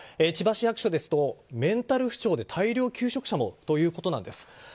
千葉市役所でメンタル不調で大量休職者もということなんです。